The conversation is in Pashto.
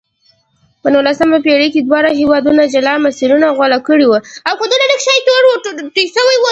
په نولسمه پېړۍ کې دواړو هېوادونو جلا مسیرونه غوره کړې وې.